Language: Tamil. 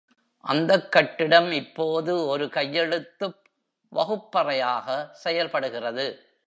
அந்தக் கட்டிடம் இப்போது ஒரு கையெழுத்துப் வகுப்பறையாக செயல்படுகிறது.